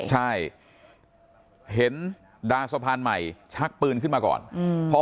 ใช่เห็นดาสะพานใหม่ชักปืนขึ้นมาก่อนอืม